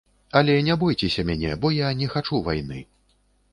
Але не бойцеся мяне, бо я не хачу вайны.